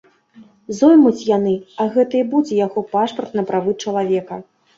Зоймуць яны, а гэта і будзе яго пашпарт на правы чалавека.